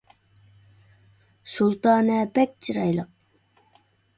سۇلتانە بەك چىرايلىق